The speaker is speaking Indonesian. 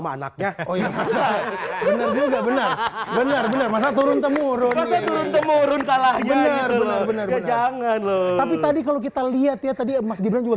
anaknya oh ya bener bener bener bener turun temurun turun temurun kalahnya bener bener jangan loh tadi